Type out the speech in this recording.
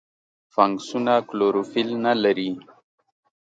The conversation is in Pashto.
فنګسونه کلوروفیل نه لري.